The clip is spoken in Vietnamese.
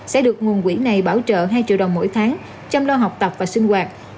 sẽ được nguồn quỹ này bảo trợ hai triệu đồng mỗi tháng chăm lo học tập và sinh hoạt